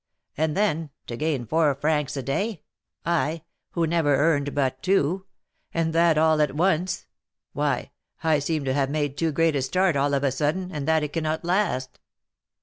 And then, to gain four francs a day, I, who never earned but two, and that all at once! why, I seem to have made too great a start all of a sudden, and that it cannot last.